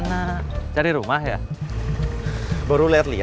cucu teh masih sendiri